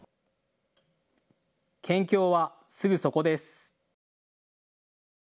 県境はすぐそこです。